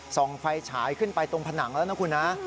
ส่องไฟฉายขึ้นไปตรงผนังแล้วนะคุณนะ